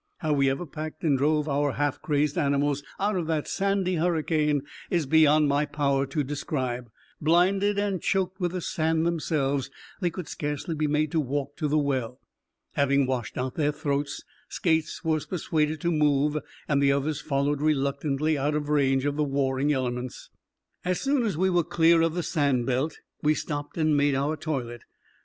How we ever packed and drove our half crazed animals out of that sandy hurricane is beyond my power to describe. Blinded and choked with the sand themselves, they could scarcely be made to walk to the well. Having washed out their throats, Skates was persuaded to move, and the others followed reluctantly out of range of the warring elements. As soon as we were clear of the sand belt, we stopped and made our toilet.